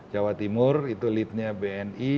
jawa timur itu leadnya bni